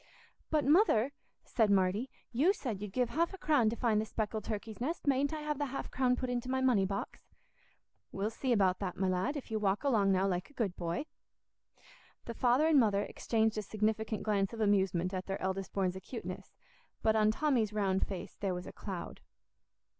"But, Mother," said Marty, "you said you'd give half a crown to find the speckled turkey's nest. Mayn't I have the half crown put into my money box?" "We'll see about that, my lad, if you walk along now, like a good boy." The father and mother exchanged a significant glance of amusement at their eldest born's acuteness; but on Tommy's round face there was a cloud.